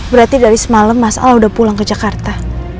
berarti dari semalam mas ala udah pulang ke jakarta